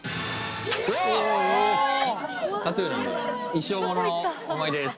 一生ものの思い出です